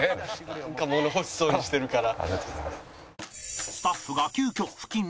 なんか物欲しそうにしてるから。